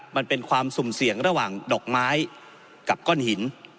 มันเป็นความสุ่มเสี่ยงระหว่างดอกไม้กับก้อนหิน